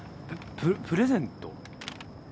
ププレゼント？